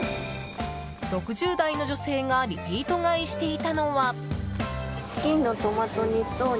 ６０代の女性がリピート買いしていたのは。